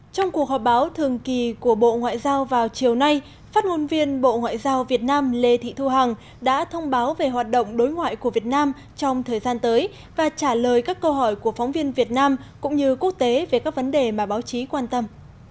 trong cuộc họp báo thường kỳ của bộ ngoại giao vào chiều nay phát ngôn viên bộ ngoại giao việt nam lê thị thu hằng đã thông báo về hoạt động đối ngoại của việt nam trong thời gian tới và trả lời các câu hỏi của phóng viên việt nam cũng như quốc tế về các vấn đề mà báo chí quan tâm